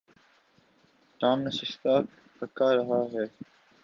Tom ناشتہ پکھا رہا ہے۔